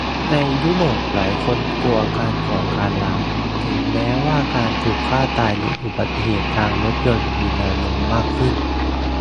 ในยุโรปหลายคนกลัวการก่อการร้ายถึงแม้ว่าการถูกฆ่าตายในอุบัติเหตุทางรถยนต์มีแนวโน้มมากขึ้น